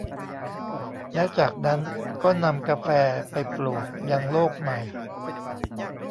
แล้วจากนั้นก็นำกาแฟไปปลูกยังโลกใหม่